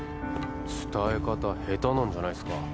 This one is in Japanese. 伝え方下手なんじゃないっすか？